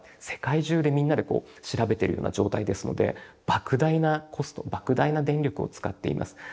世界中でみんなでこう調べてるような状態ですのでばく大なコストばく大な電力を使っています。